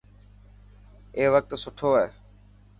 اي وقت سٺو هي.